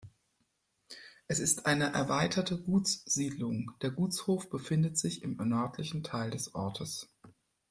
Es ist eine erweiterte Gutssiedlung; der Gutshof befindet sich im nördlichen Teil des Ortes.